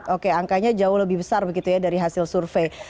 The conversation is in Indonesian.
oke angkanya jauh lebih besar begitu ya dari hasil survei